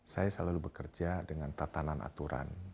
saya selalu bekerja dengan tatanan aturan